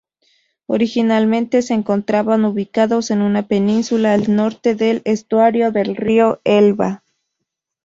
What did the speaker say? Originalmente se encontraban ubicados en una península al norte del estuario del río Elba.